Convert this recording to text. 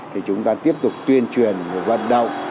thì chúng ta tiếp tục tuyên truyền vận động